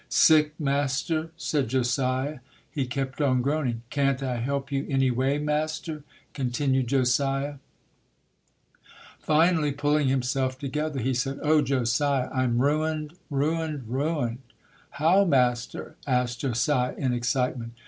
"Sick, master?" said Josiah. He kept on groan JOSIAH HENSON [ 197 ing. "Can't I help you any way, master?" con tinued Josiah. , Finally pulling himself together, he said, "Oh, Josiah! I'm ruined, ruined, ruined!" "How, master?" asked Josiah in excitement.